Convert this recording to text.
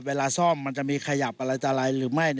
เวลาซ่อมมันจะมีขยับอะไรต่ออะไรหรือไม่